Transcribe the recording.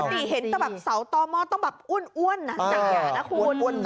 ปกติเห็นต้องแบบเสาต่อหม้อต้องแบบอ้วนน้ำหนักอย่างนี้นะคุณ